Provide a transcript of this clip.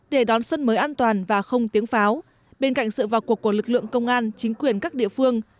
để đón xuân mới an toàn và không tiếng pháo bên cạnh sự vào cuộc của lực lượng công an chính quyền các địa phương